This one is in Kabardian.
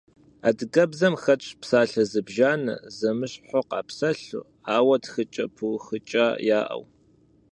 Адыгэбзэм хэтщ псалъэ зыбжанэ, зэмыщхьу къапсэлъу, ауэ тхыкӏэ пыухыкӏа яӏэу.